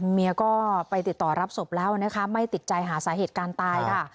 เมียก็ไปติดต่อรับศพแล้วนะคะไม่ติดใจหาสาเหตุการณ์ตายค่ะ